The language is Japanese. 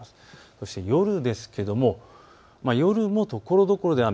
そして夜ですけれども夜もところどころで雨。